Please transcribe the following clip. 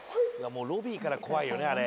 もうロビーから怖いよねあれ。